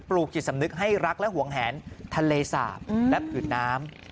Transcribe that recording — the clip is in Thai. ลูกจิตสำนึกให้รักและห่วงแหนทะเลสาบและผืดน้ำ